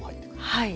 はい。